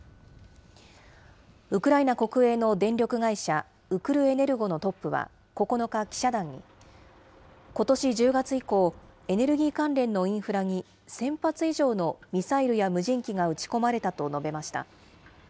ウクライナ国営の電力会社、ウクルエネルゴのトップは９日、記者団に、ことし１０月以降、エネルギー関連のインフラに、１０００発以上のミサイルや無人機が撃ち込まれたと述べました。